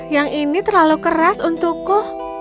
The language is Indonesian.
yang ini terlalu keras untukku